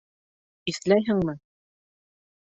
Иҫләйһеңме?